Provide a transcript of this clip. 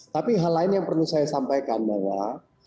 tapi hal lain yang perlu saya sampaikan bahwa